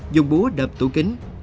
dùng búa đập tủ kính